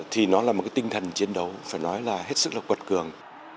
thì nó là một tinh thần chiến đấu phải nói là hết sức là quật cường